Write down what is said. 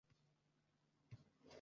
Quriydi kimning sho‘ri?